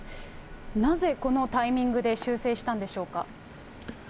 なぜこのタイミングで修正したんでしょうか。